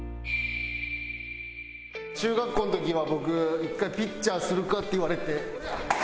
中学校の時は僕１回「ピッチャーするか」って言われて。